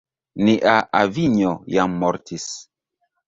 Nia avinjo jam mortis.